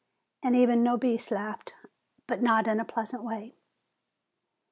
And even Nobis laughed, but not in a pleasant way.